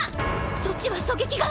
そっちは狙撃が。